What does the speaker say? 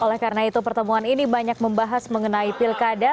oleh karena itu pertemuan ini banyak membahas mengenai pilkada